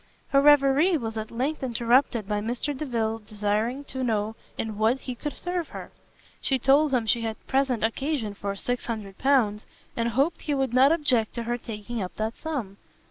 Her reverie was at length interrupted by Mr Delvile's desiring to know in what he could serve her. She told him she had present occasion for L600, and hoped he would not object to her taking up that sum.